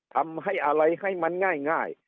ทำให้อะไรให้มันง่าย